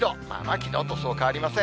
きのうとそう変わりません。